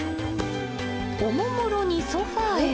おもむろにソファーへ。